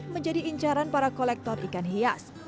menjadi incaran para kolektor ikan hias